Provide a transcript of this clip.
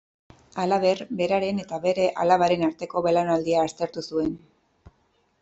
Halaber, beraren eta bere alabaren arteko belaunaldia aztertu zuen.